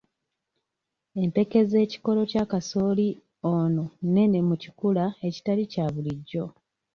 Empeke z'ekikolo kya kasooli ono nene mu kikula ekitali kya bulijjo.